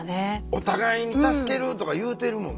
お互いに助けるとか言うてるもんね。